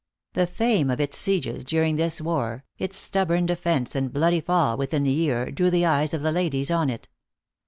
The fame of its sieges during this war, its stubborn defence and bloody fall within the year, drew the eyes of the ladies on it.